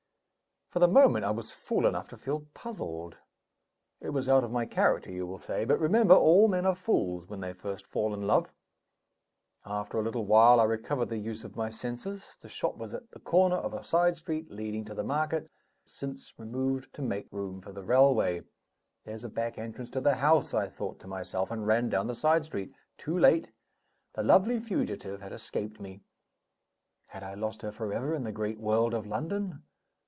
For the moment, I was fool enough to feel puzzled; it was out of my character you will say but remember, all men are fools when they first fall in love. After a little while I recovered the use of my senses. The shop was at the corner of a side street, leading to the market, since removed to make room for the railway. "There's a back entrance to the house!" I thought to myself and ran down the side street. Too late! the lovely fugitive had escaped me. Had I lost her forever in the great world of London?